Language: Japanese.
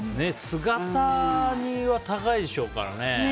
姿煮は高いでしょうからね。